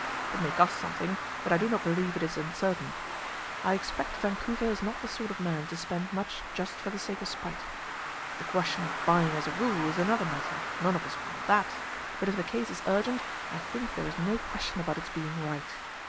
It may cost something, but I do not believe it is uncertain. I expect Vancouver is not the sort of man to spend much just for the sake of spite. The question of buying as a rule is another matter. None of us want that; but if the case is urgent I think there is no question about its being right.